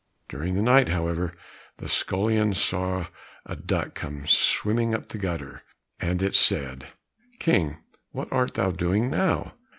During the night, however, the scullion saw a duck come swimming up the gutter, and it said, "King, what art thou doing now?